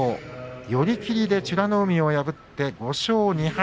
寄り切りで美ノ海を破って５勝２敗。